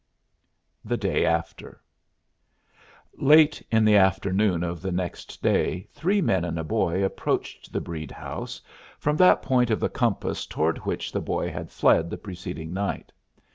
THE DAY AFTER Late in the afternoon of the next day three men and a boy approached the Breede house from that point of the compass toward which the boy had fled the preceding night.